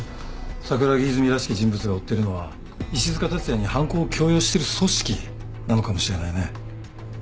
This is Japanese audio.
桜木泉らしき人物が追ってるのは石塚辰也に犯行を強要してる組織なのかもしれないね。